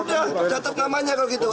udah catat namanya kalau gitu